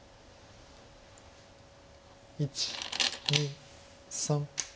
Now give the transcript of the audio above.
１２３。